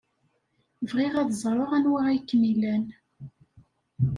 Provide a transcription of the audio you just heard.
Bɣiɣ ad ẓreɣ anwa ay kem-ilan.